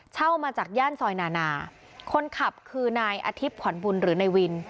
เช่ามาจากย่านซอยนานาคนขับคือนายอาทิตย์ขวัญบุญหรือนายวิน